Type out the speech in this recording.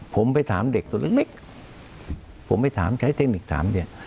ผมไปถามเด็กตัวเล็กผมไปถามใช้เทคนิคถามเนี่ย